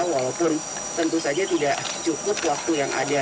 walaupun tentu saja tidak cukup waktu yang ada